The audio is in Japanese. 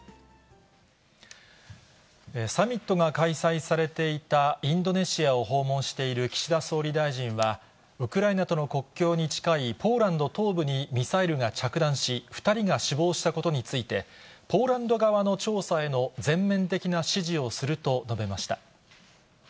サミットが開催されていたインドネシアを訪問している岸田総理大臣は、ウクライナとの国境に近いポーランド東部にミサイルが着弾し、２人が死亡したことについて、ポーランド側の調査への全面的な支持をすると述べました。